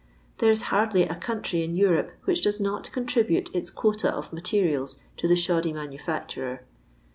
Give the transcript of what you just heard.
There is hardly a country in Europe which does not contribute its quota of material to the shoddy manufacturer.